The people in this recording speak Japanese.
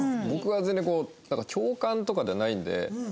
僕は全然こうなんか共感とかではないんで。